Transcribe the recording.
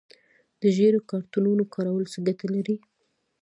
د ژیړو کارتونو کارول څه ګټه لري؟